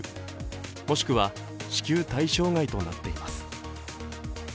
もしくは支給対象外となっています。